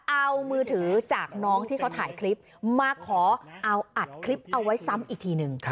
เอามือถือจากน้องที่เขาถ่ายคลิปมาขอเอาอัดคลิปเอาไว้ซ้ำอีกทีหนึ่ง